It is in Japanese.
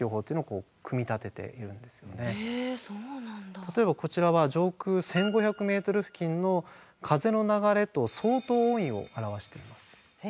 例えばこちらは上空１，５００ｍ付近の風の流れと相当温位を表しています。え？